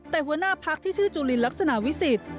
แต่หัวหน้าพักที่ชื่อจุลินลักษณะวิสิทธิ์